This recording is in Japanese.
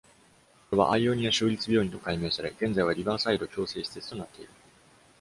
ここはアイオニア州立病院と改名され、現在はリバーサイド矯正施設となっている。